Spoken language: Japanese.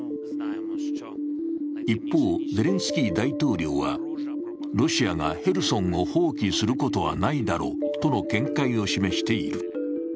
一方、ゼレンスキー大統領はロシアがヘルソンを放棄することはないだろうとの見解を示している。